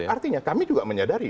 artinya kami juga menyadari